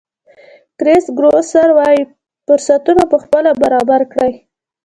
کرېس ګروسر وایي فرصتونه پخپله برابر کړئ.